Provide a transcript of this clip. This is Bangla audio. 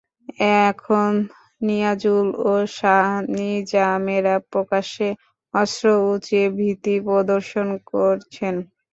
এখন নিয়াজুল ও শাহ্ নিজামেরা প্রকাশ্যে অস্ত্র উঁচিয়ে ভীতি প্রদর্শন করছেন।